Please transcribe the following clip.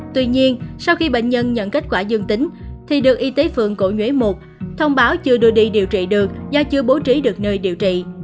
tuy nhiên sau khi bệnh nhân nhận kết quả dương tính thì được y tế phường cổ nhuế một thông báo chưa đưa đi điều trị được do chưa bố trí được nơi điều trị